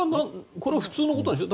これは普通のことなんでしょ。